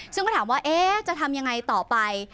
ซึ่งก็ถามว่าจะทำยังไงต่อไป